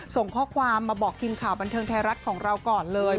ส่งข้อความมาบอกทีมข่าวบันเทิงไทยรัฐของเราก่อนเลย